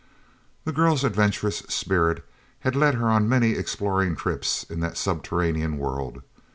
The girl's adventurous spirit had led her on many exploring trips in that subterranean world.